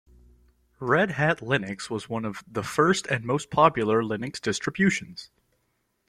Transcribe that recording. Red Hat Linux was one of the first and most popular Linux distributions.